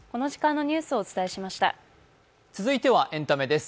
続いてはエンタメです。